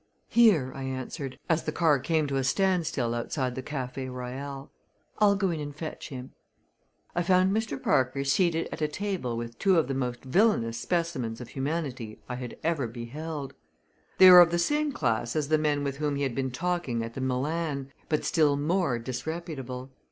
"Here," I answered, as the car came to a standstill outside the Cafe Royal. "I'll go in and fetch him." I found Mr. Parker seated at a table with two of the most villainous specimens of humanity I had ever beheld. They were of the same class as the men with whom he had been talking at the Milan, but still more disreputable.